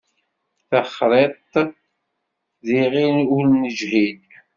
Takriṭ d iɣil ur neǧhid.